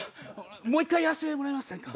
もう１回やらせてもらえませんか？